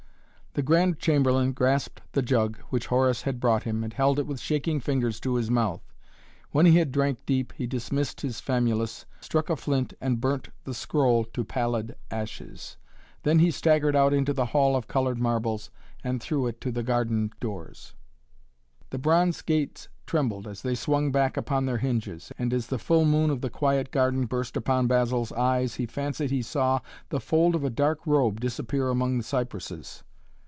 The Grand Chamberlain grasped the jug which Horus had brought him and held it with shaking fingers to his mouth. When he had drank deep he dismissed his famulus, struck a flint and burnt the scroll to pallid ashes. Then he staggered out into the hall of colored marbles and through it to the garden doors. The bronze gates trembled as they swung back upon their hinges, and as the full noon of the quiet garden burst upon Basil's eyes he fancied he saw the fold of a dark robe disappear among the cypresses.